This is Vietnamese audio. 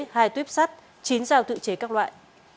hai tuyếp sắt chín rào tự chế các loại